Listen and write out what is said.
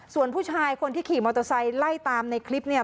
ส่วนผู้ชายคนที่ขี่มอเตอร์ไซค์ไล่ตามในคลิปเนี่ย